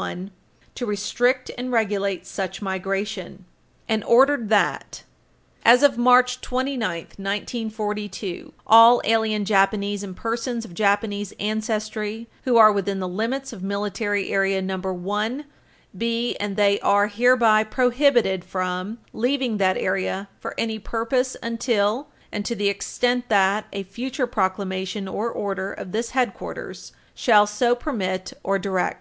1, to restrict and regulate such migration, and ordered that, as of March 29, 1942," "all alien Japanese and persons of Japanese ancestry who are within the limits of Military Area No. 1, be and they are hereby Page 323 U. S. 229 prohibited from leaving that area for any purpose until and to the extent that a future proclamation or order of this headquarters shall so permit or direct.